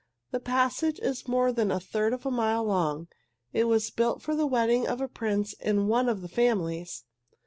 The passage is more than a third of a mile long. It was built for the wedding of a prince in one of the families.